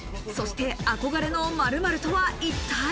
そして憧れの○○とは一体？